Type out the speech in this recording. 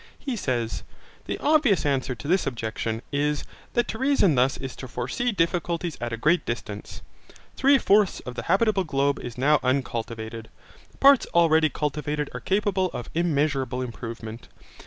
He says: The obvious answer to this objection, is, that to reason thus is to foresee difficulties at a great distance. Three fourths of the habitable globe is now uncultivated. The parts already cultivated are capable of immeasurable improvement.